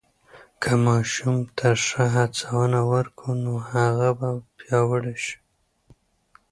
که ماشوم ته ښه هڅونه ورکو، نو هغه به پیاوړی شي.